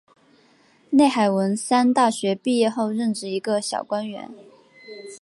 内海文三大学毕业后任职一个小官员。